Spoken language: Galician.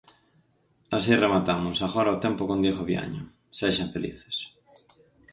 Así rematamos, agora o tempo con Diego Viaño, sexan felices.